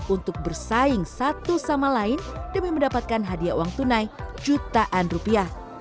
untuk bersaing satu sama lain demi mendapatkan hadiah uang tunai jutaan rupiah